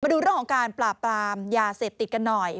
ดูเรื่องของการปราบปรามยาเสพติดกันหน่อย